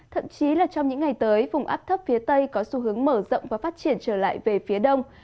thậm chí là trong những ngày tới vùng áp thấp phía tây có xu hướng mở rộng và phát triển trở lại về phía đông